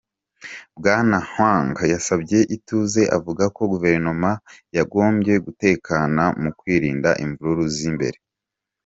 Bwana Hwang yasabye ituze avuga ko guverinoma yagombye gutekana mu kwirinda imvururu z'imbere.